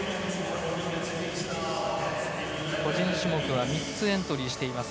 個人種目は３つエントリーしています。